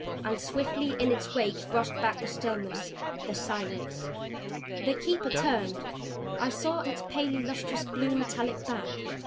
And as swiftly in its wake rushed back the stillness, the silence. The Keeper turned I saw its palely lustrous blue metallic back.